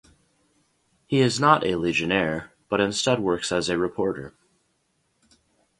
He is not a Legionnaire, but instead works as a reporter.